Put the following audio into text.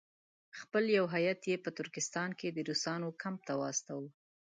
خپل یو هیات یې په ترکستان کې د روسانو کمپ ته واستاوه.